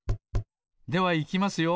ではいきますよ。